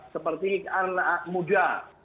seperti anak muda